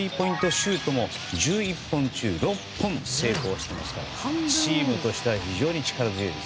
シュートも１１本中６本成功していますからチームとしては非常に力強い。